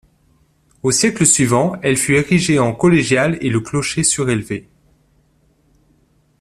Au siècle suivant, elle fut érigée en collégiale et le clocher surélevé.